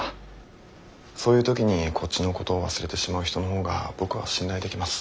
そういう時にこっちのことを忘れてしまう人の方が僕は信頼できます。